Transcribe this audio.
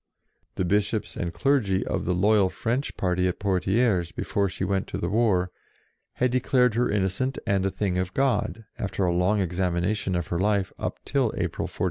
The Bishops and clergy of the loyal French party at Poitiers, before she went to the war, had declared her innocent and a thing of God, after a long examina tion of her life up till April 1429.